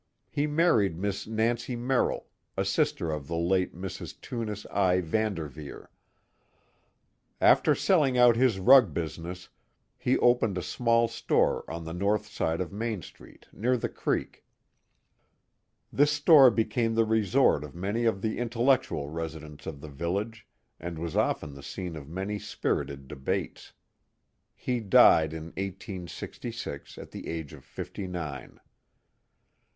He married Miss Nancy Merrill, a sister of the late Mrs. Tunis I. Van Derveer, After selling out his rug business he opened a small store on the north side of Main Street, near the creek. This store became the resort of many of the intellectual residents of the village, and was often the scene of many spirited debates. He died in 1866 at the age of fifty nine.